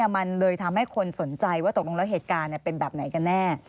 มันเลยทำให้คนสนใจว่าตกลงแล้วเหตุการณ์เป็นแบบไหนกันแน่